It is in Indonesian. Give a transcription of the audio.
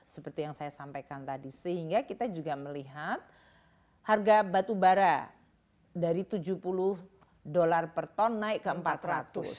seperti yang saya sampaikan tadi sehingga kita juga melihat harga batubara dari tujuh puluh dolar per ton naik ke empat ratus